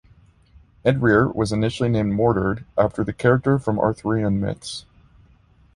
Edrear was initially named Mordred after the character from Arthurian myths.